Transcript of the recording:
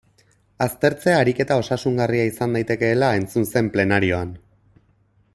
Aztertzea ariketa osasungarria izan daitekeela entzun zen plenarioan.